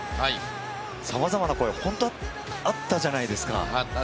さまざまなことが本当にあったじゃないですか。